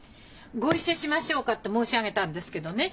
「ご一緒しましょうか」って申し上げたんですけどね